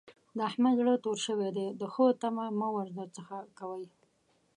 د احمد زړه تور شوی دی؛ د ښو تمه مه ور څځه کوئ.